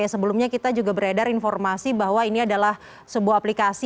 sebelumnya kita juga beredar informasi bahwa ini adalah sebuah aplikasi